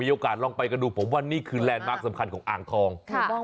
โอกาสลองไปกันดูผมว่านี่คือแลนดมาร์คสำคัญของอ่างทองถูกต้อง